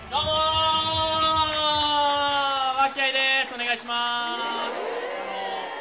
お願いします。